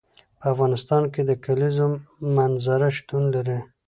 په افغانستان کې د کلیزو منظره شتون لري.